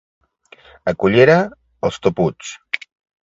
A Cullera, els toputs.